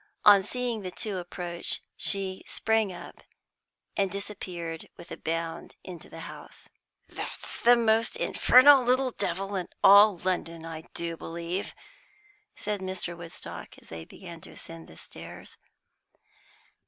On seeing the two approach, she sprang up, and disappeared with a bound into the house. "That's the most infernal little devil in all London, I do believe," said Mr. Woodstock, as they began to ascend the stairs.